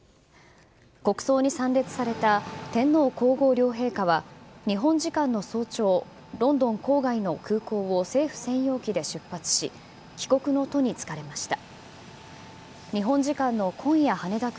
国葬に参列された天皇皇后両陛下は日本時間の早朝、ロンドン郊外の空港を政府専用機で出発し、帰国の途に就かれました。